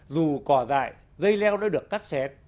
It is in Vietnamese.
dù cỏ dài dây leo đã được cắt xét